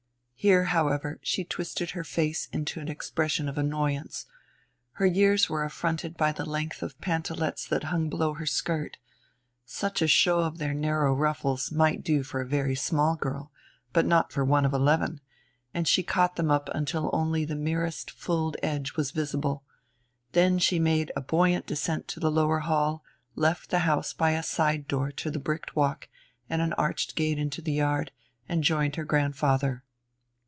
Here, however, she twisted her face into an expression of annoyance her years were affronted by the length of pantalets that hung below her skirt. Such a show of their narrow ruffles might do for a very small girl, but not for one of eleven; and she caught them up until only the merest fulled edge was visible. Then she made a buoyant descent to the lower hall, left the house by a side door to the bricked walk and an arched gate into the yard, and joined her grandfather.